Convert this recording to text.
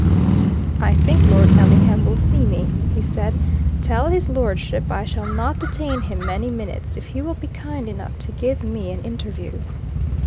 "I think Lord Ellingham will see me," he said. "Tell his lordship I shall not detain him many minutes if he will be kind enough to give me an interview."